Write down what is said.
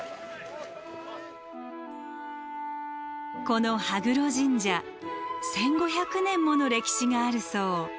この羽黒神社１，５００年もの歴史があるそう。